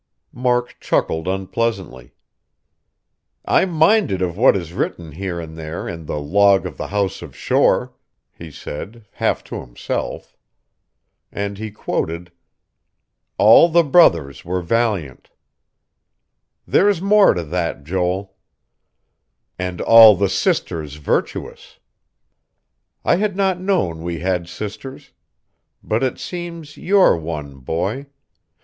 Mark chuckled unpleasantly. "I'm minded of what is written, here and there, in the 'Log of the House of Shore,'" he said, half to himself. And he quoted: "'All the brothers were valiant....' There's more to that, Joel. 'And all the sisters virtuous.' I had not known we had sisters but it seems you're one, boy.